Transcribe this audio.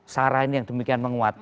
sarah ini yang demikian menguat